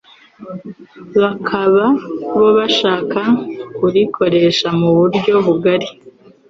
bakaba bo bashaka kurikoresha mu buryo bugari